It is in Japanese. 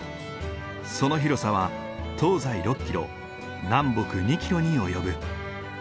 その広さは東西６キロ南北２キロに及ぶ。